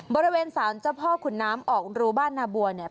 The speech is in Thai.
บริเวณสารเจ้าพ่อขุนน้ำออกรูบ้านนาบัวเนี่ย